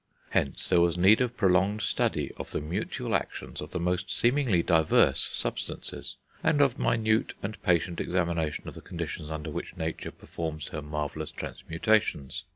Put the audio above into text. Hence there was need of prolonged study of the mutual actions of the most seemingly diverse substances, and of minute and patient examination of the conditions under which nature performs her marvellous transmutations.